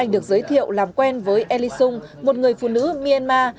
anh được giới thiệu làm quen với ellie sung một người phụ nữ myanmar